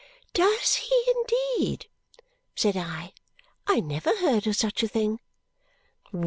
"Does he indeed?" said I. "I never heard of such a thing!